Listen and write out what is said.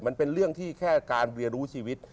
มันเป็นเรื่องที่แค่การเวียรู้ชีวิต